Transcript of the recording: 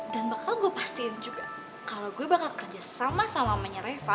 dan bakal gue pastiin juga kalau gue bakal kerja sama sama mamanya reva